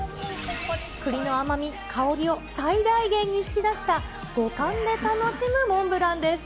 栗の甘み、香りを最大限に引き出した五感で楽しむモンブランです。